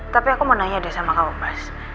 tapi aku mau nanya deh sama kamu pas